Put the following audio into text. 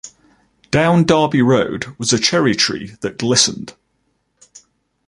Down Derby Road was a cherry-tree that glistened.